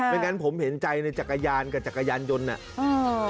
งั้นผมเห็นใจในจักรยานกับจักรยานยนต์น่ะ